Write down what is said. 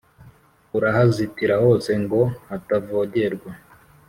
urahazitira hose ngo hatavogerwa